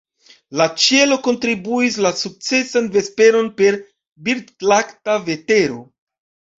La ĉielo kontribuis la sukcesan vesperon per birdlakta vetero.